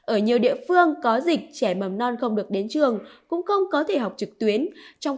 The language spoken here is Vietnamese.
ở nhiều địa phương có dịch trẻ mầm non không được đến trường cũng không có thể học trực tuyến